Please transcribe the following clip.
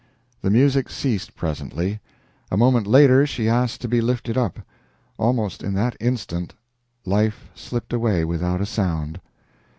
The music ceased presently. A moment later she asked to be lifted up. Almost in that instant life slipped away without a sound.